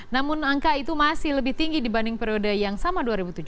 namun angka itu masih lebih tinggi dibanding periode yang sama dua ribu tujuh belas